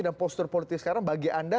dan postur politik sekarang bagi anda